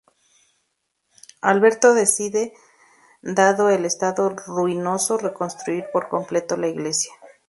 Alberto decide, dado el estado ruinoso reconstruir por completo la iglesia.